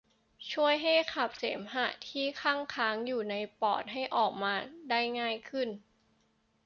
ช่วยให้ขับเสมหะที่คั่งค้างอยู่ในปอดให้ออกมาได้ง่ายขึ้น